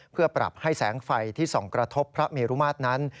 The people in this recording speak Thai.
เพื่อปรับให้แสงไฟที่ส่องกระทบพระเมรุมาตรนั้น